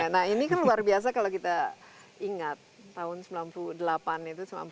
nah ini kan luar biasa kalau kita ingat tahun sembilan puluh delapan itu